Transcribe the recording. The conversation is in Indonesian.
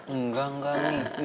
enggak enggak mi